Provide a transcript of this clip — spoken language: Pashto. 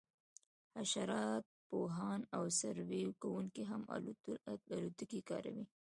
حشرات پوهان او سروې کوونکي هم الوتکې کاروي